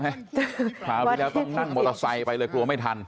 คราวที่แล้วต้องนั่งมอเตอร์ไซค์ไปเลยกลัวไม่ทัน